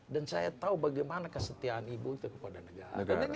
dan saya tahu bagaimana kesetiaan ibu itu kepada negara